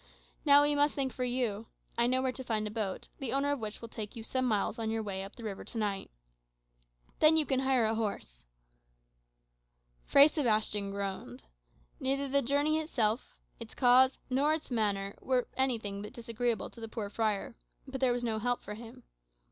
Now, we must think for you. I know where to find a boat, the owner of which will take you some miles on your way up the river to night. Then you can hire a horse." Fray Sebastian groaned. Neither the journey itself, its cause, nor its manner were anything but disagreeable to the poor friar. But there was no help for him.